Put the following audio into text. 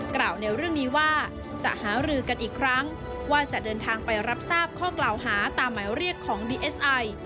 กล่าวในเรื่องนี้ว่าจะหารือกันอีกครั้งว่าจะเดินทางไปรับทราบข้อกล่าวหาตามหมายเรียกของดีเอสไอ